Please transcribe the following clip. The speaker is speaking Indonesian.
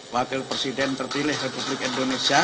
wakil presiden terpilih republik indonesia